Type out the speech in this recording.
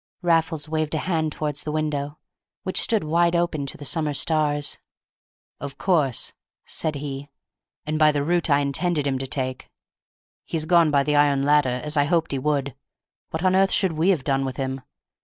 Raffles waved a hand towards the window, which stood wide open to the summer stars. "Of course," said he, "and by the route I intended him to take; he's gone by the iron ladder, as I hoped he would. What on earth should we have done with him?